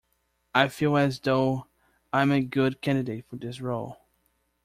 I feel as though I am a good candidate for this role.